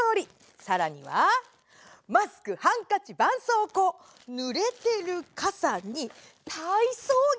さらにはマスクハンカチばんそうこうぬれてるかさに体操着。